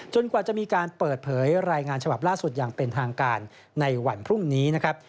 กว่าจะมีการเปิดเผยรายงานฉบับล่าสุดอย่างเป็นทางการในวันพรุ่งนี้นะครับ